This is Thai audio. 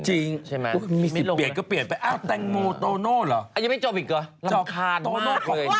มีสิทธิ์เปลี่ยนก็เดี๋ยวโตโน่แต่งโม